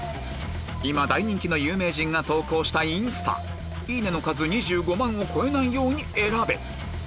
今大人気の有名人が投稿したインスタいいねの数２５万を超えないように選べ！